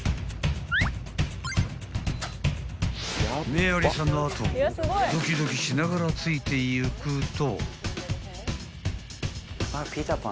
［メアリーさんの後をドキドキしながらついていくと］